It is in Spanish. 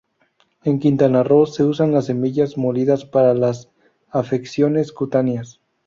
En Quintana Roo se usan las semillas molidas para las afecciones cutáneas.